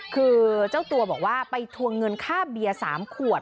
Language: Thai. คือเจ้าตัวบอกว่าไปทวงเงินค่าเบียร์๓ขวด